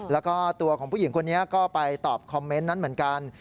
แล้วก็ตัวของผู้หญิงคนนี้ก็ไปตอบคอมเมนต์นั้นเหมือนกัน